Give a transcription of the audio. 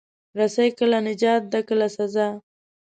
رسۍ کله نجات ده، کله سزا.